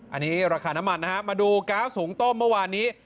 อันนี้ราคาน้ำมันนะฮะมาดูก๊าซสูงต้มเมื่อวานนี้